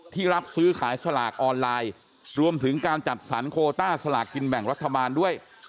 รับซื้อขายสลากออนไลน์รวมถึงการจัดสรรโคต้าสลากกินแบ่งรัฐบาลด้วย